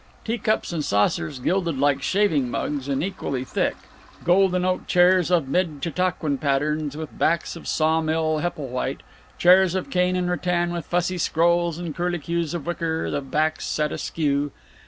Tea cups and saucers gilded like shaving mugs and equally thick. Golden oak chairs of mid Chautauquan patterns, with backs of saw mill Heppelwhite; chairs of cane and rattan with fussy scrolls and curlicues of wicker, the backs set askew.